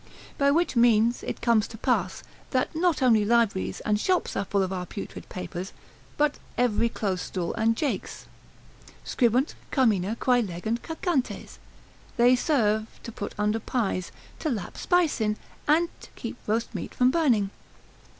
By which means it comes to pass, that not only libraries and shops are full of our putrid papers, but every close stool and jakes, Scribunt carmina quae legunt cacantes; they serve to put under pies, to lap spice in, and keep roast meat from burning.